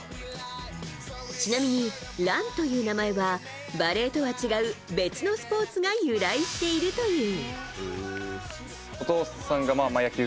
ちなみに、藍という名前はバレーとは違う別のスポーツが由来しているという。